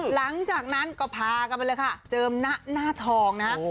หลังจากนั้นก็พากันไปเลยค่ะเจิมหน้าทองนะฮะ